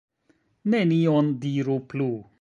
Nenion diru plu.